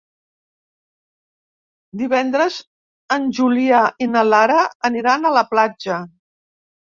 Divendres en Julià i na Lara aniran a la platja.